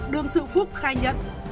đương sự phúc khai nhận